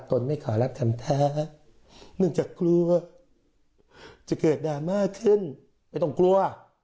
นไม่ขอรับคำแท้เนื่องจากกลัวจะเกิดดราม่าขึ้นไม่ต้องกลัว